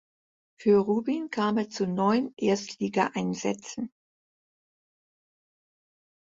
Für Rubin kam er zu neun Erstligaeinsätzen.